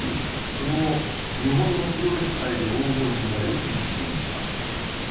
その後、日本のプロレス界で黄金時代を築きました。